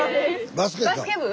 バスケ部？